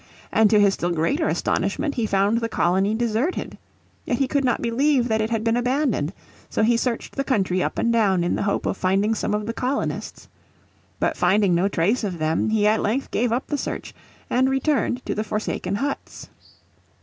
And to his still greater astonishment he found the colony deserted. Yet he could not believe that it had been abandoned. So he searched the country up and down in the hope of finding some of the colonists. But finding no trace of them he at length gave up the search and returned to the forsaken huts.